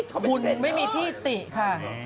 บุญไม่มีที่ติค่ะ